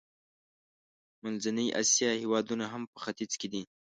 منځنۍ اسیا هېوادونه هم په ختیځ کې دي.